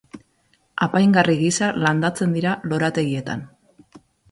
Apaingarri gisa landatzen dira lorategietan.